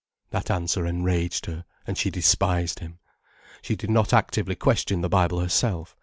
That answer enraged her, and she despised him. She did not actively question the Bible herself.